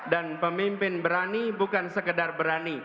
dan pemimpin berani bukan sekedar berani